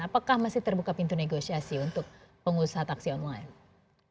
apakah masih terbuka pintu negosiasi untuk pengusaha taksi online